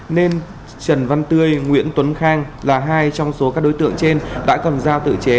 nên trần văn tươi nguyễn tuấn khang là hai trong số các đối tượng trên đã cầm dao tự chế